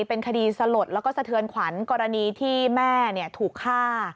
เป็นคดีสลดแล้วก็สะเทือนขวัญกรณีที่แม่ถูกฆ่า